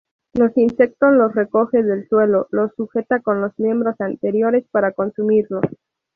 Los insectos los recoge del suelo, los sujeta con los miembros anteriores para consumirlos.